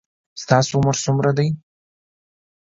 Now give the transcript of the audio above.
ستاسو عمر څومره ده